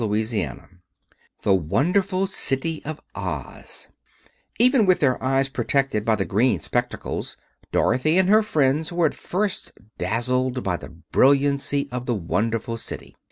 Chapter XI The Wonderful City of Oz Even with eyes protected by the green spectacles, Dorothy and her friends were at first dazzled by the brilliancy of the wonderful City.